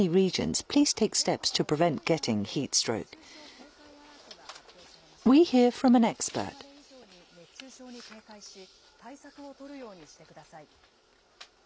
これまで以上に熱中症に警戒し、対策を取るようにしてください。